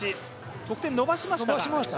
得点伸ばしました。